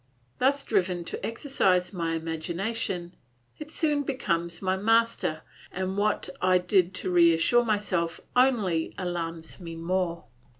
Thus driven to exercise my imagination, it soon becomes my master, and what I did to reassure myself only alarms me more.